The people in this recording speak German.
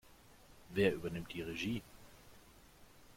Wer übernimmt die Regie?